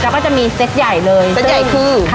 เราก็จะมีเซ็ตใหญ่เลยเซ็ตใหญ่คือค่ะ